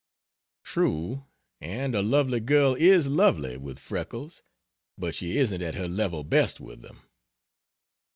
True: and a lovely girl is lovely, with freckles; but she isn't at her level best with them.